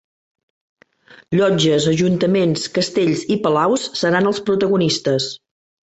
Llotges, ajuntaments, castells i palaus seran els protagonistes.